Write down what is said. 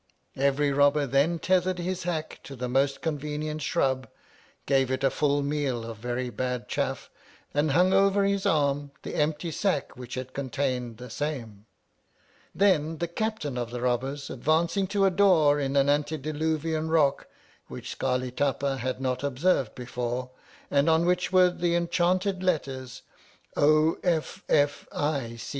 Every robber then tethered his hack to the most convenient shrub, gave it a full meal of very bad chaff, and hung over his arm the empty sack which had contained the same. Then the Captain of the Robbers, advancing to a door in an antedilu vian rock, which Scarli Tapa had not observed before, and on which were the enchanted letters O. F. F. I.